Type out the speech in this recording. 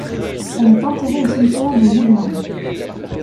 Elle est enterrée au cimetière de Woodlawn.